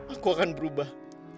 aku akan berubah